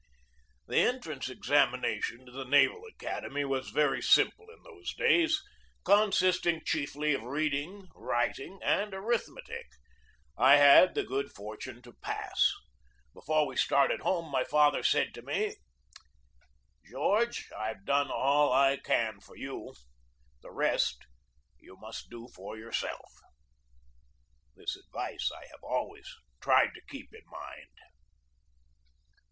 The entrance examinations to the Naval Academy were very simple in those days, consisting chiefly of reading, writing, and arithmetic. I had the good fortune to pass. Before he started home my father said to me: "George, I've done all I can for you. The rest you must do for yourself." This advice I have always tried to keep in mind.